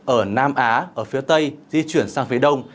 ở nam á ở phía tây di chuyển sang phía đông